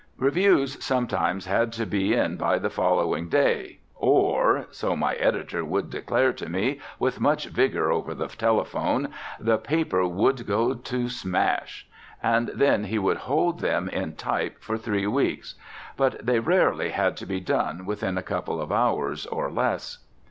Reviews sometimes had to be in by the following day, or, so my editor would declare to me with much vigour over the telephone, the paper would go to smash; and then he would hold them in type for three weeks. But they rarely had to be done within a couple of hours or less.